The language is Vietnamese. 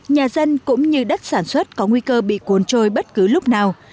nhà dân cũng như đất sản xuất có nguy cơ bị cuốn trôi bất cứ lúc nào